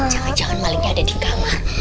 jangan jangan malingnya ada di kamar